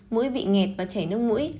mũi bị nghẹt và chảy nước mũi